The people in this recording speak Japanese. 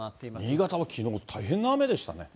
新潟はきのう、大変な雨でしたね。